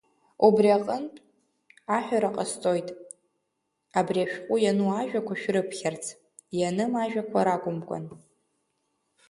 Убри аҟынтә аҳәара ҟасҵоит, абри ашәҟәы иану ажәақәа шәрыԥхьарц, ианым ажәақәа ракәымкәан.